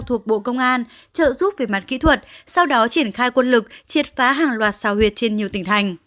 thuộc bộ công an trợ giúp về mặt kỹ thuật sau đó triển khai quân lực triệt phá hàng loạt sao huyệt trên nhiều tỉnh thành